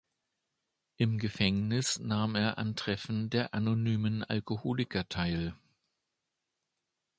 Im Gefängnis nahm er an Treffen der Anonymen Alkoholiker teil.